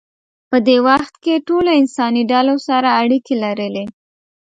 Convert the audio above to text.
په دې وخت کې ټولو انساني ډلو سره اړیکې لرلې.